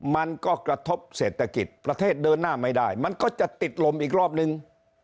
มันก็กระทบเศรษฐกิจประเทศเดินหน้าไม่ได้มันก็จะติดลมอีกรอบนึง